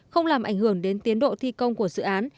không làm ảnh hưởng đến tiến độ thi công của dự án